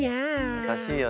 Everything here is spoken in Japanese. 優しいよね。